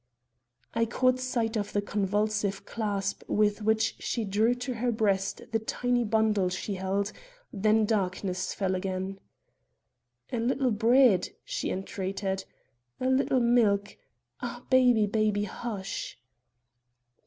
I caught sight of the convulsive clasp with which she drew to her breast the tiny bundle she held, then darkness fell again. "A little bread," she entreated; "a little milk ah, baby, baby, hush!"